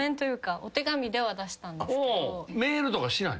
メールとかしない？